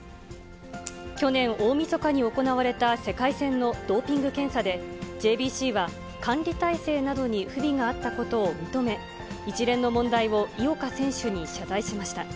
去年大みそかに行われた世界戦のドーピング検査で、ＪＢＣは管理体制などに不備があったことを認め、一連の問題を井岡選手に謝罪しました。